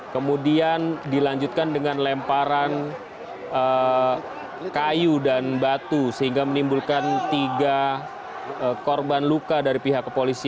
kemudian dilanjutkan dengan lemparan kayu dan batu sehingga menimbulkan tiga korban luka dari pihak kepolisian